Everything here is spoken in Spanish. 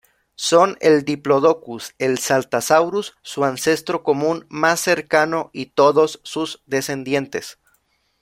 Son el "Diplodocus", el "Saltasaurus" su ancestro común más cercano y todos sus descendientes.